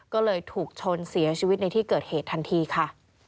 ก็เลยถูกชนเสียชีวิตในที่เกิดเหตุทันทีค่ะ